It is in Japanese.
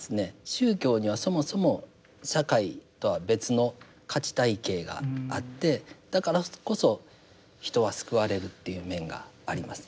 宗教にはそもそも社会とは別の価値体系があってだからこそ人は救われるっていう面があります。